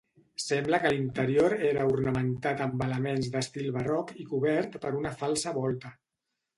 Sembla que l'interior era ornamentat amb elements d'estil barroc i cobert per una falsa volta.